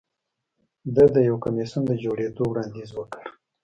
ده د یو کمېسیون د جوړېدو وړاندیز وکړ